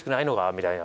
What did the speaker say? みたいな。